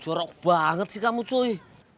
jorok banget sih kamu cuy